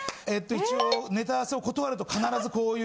ネタ合わせを断ると必ずこういう。